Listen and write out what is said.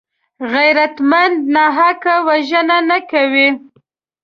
غیرتمند ناحقه وژنه نه کوي